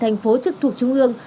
thành phố trực thủ trung ương